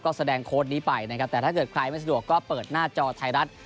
ก็แสดงโค้ดนี้ไปนะครับแต่ถ้าเกิดใครไม่สะดวกก็เปิดหน้าจอไทยรัฐ